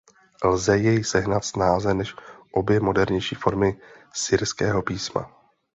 Lze jej sehnat snáze než obě modernější formy syrského písma.